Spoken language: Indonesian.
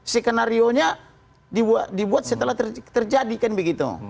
sikenarionya dibuat setelah terjadi kan begitu